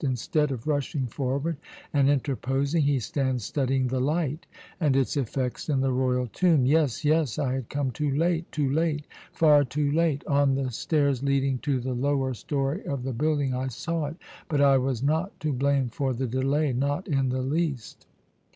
Instead of rushing forward and interposing, he stands studying the light and its effects in the royal tomb.' Yes, yes; I had come too late, too late far too late! On the stairs leading to the lower story of the building I saw it, but I was not to blame for the delay not in the least!